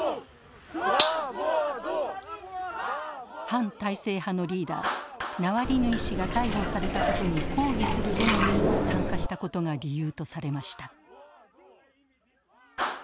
反体制派のリーダーナワリヌイ氏が逮捕されたことに抗議するデモに参加したことが理由とされました。